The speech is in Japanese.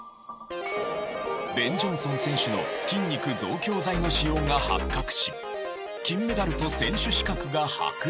ベン・ジョンソン選手の筋肉増強剤の使用が発覚し金メダルと選手資格が剥奪。